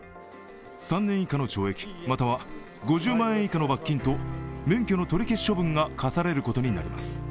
３年以下の懲役または５０万円以下の罰金と免許の取消処分が科されることになります。